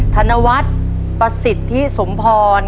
ธนวัฒน์ประสิทธิสมพร